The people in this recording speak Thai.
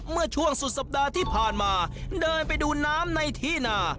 เมื่อช่วงสุดสัปดาห์ที่ผ่านมาเดินไปดูน้ำในที่นา